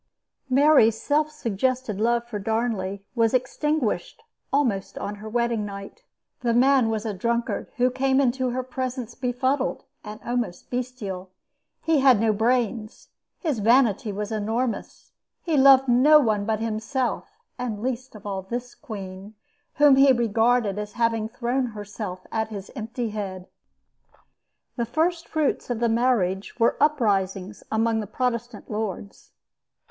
Mary's self suggested love for Darnley was extinguished almost on her wedding night. The man was a drunkard who came into her presence befuddled and almost bestial. He had no brains. His vanity was enormous. He loved no one but himself, and least of all this queen, whom he regarded as having thrown herself at his empty head. The first fruits of the marriage were uprisings among the Protestant lords.